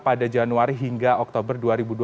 pada januari hingga oktober dua ribu dua puluh